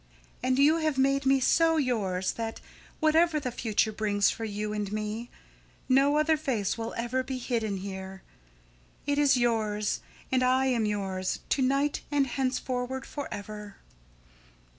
And you have made me SO yours that, whatever the future brings for you and me, no other face will ever be hidden here. It is yours, and I am yours to night, and henceforward, forever."